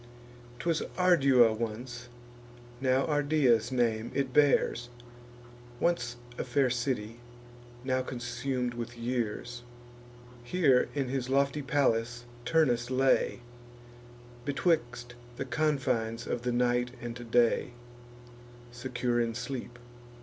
'Twas Ardua once; now Ardea's name it bears; Once a fair city, now consum'd with years. Here, in his lofty palace, Turnus lay, Betwixt the confines of the night and day, Secure in sleep.